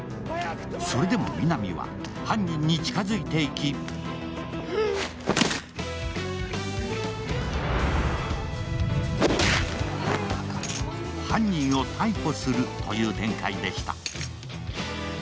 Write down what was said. それでも皆実は犯人に近付いていき犯人を逮捕するという展開でした。